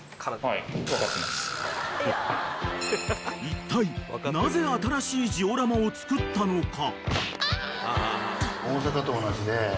［いったいなぜ新しいジオラマを作ったのか］